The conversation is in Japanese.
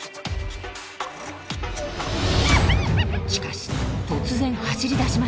しかし突然走り出しました。